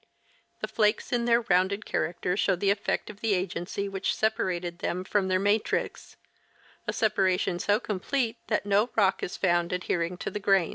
The flakes in their rounded character show the effect of the agency which separated them from their matrix ; a separation so complete that no rock is found adhering to the grains.